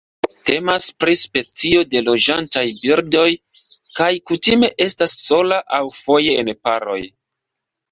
Temas pri specio de loĝantaj birdoj kaj kutime estas sola aŭ foje en paroj.